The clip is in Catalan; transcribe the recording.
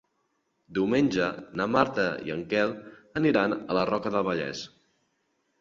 Diumenge na Marta i en Quel aniran a la Roca del Vallès.